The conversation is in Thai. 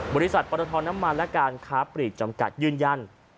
บริษัทปรทน้ำมันและการค้าปลีกจำกัดยืนยัน